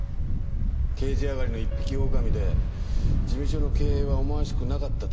刑事あがりの一匹狼で事務所の経営は思わしくなかったと。